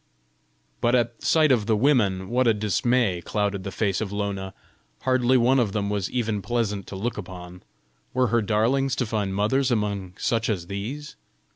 But at sight of the women what a dismay clouded the face of Lona! Hardly one of them was even pleasant to look upon! Were her darlings to find mothers among such as these?